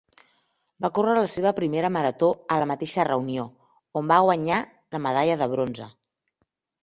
Va córrer la seva primera marató a la mateixa reunió, on va guanyar la medalla de bronze.